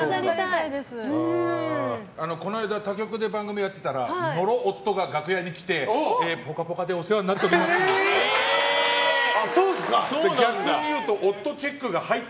この間、他局で番組やってたら野呂夫が楽屋に来て「ぽかぽか」でお世話になっておりますって。